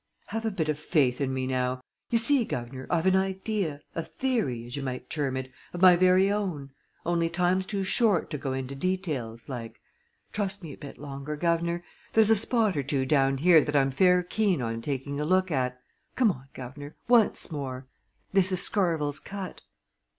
"Have a bit o' faith in me, now! You see, guv'nor, I've an idea, a theory, as you might term it, of my very own, only time's too short to go into details, like. Trust me a bit longer, guv'nor there's a spot or two down here that I'm fair keen on taking a look at come on, guv'nor, once more! this is Scarvell's Cut."